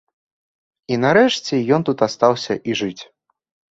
І нарэшце ён тут астаўся і жыць.